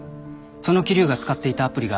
その桐生が使っていたアプリが。